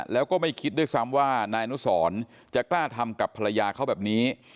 แล้วก็ไม่คิดด้วยซ้ำว่านายอนุสรจะกล้าทำกับภรรยาเขาแบบนี้